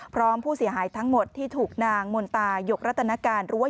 พร้อมผู้เสียหายทั้งหมดที่ถูกนางมนตายกรัตนการหรือว่า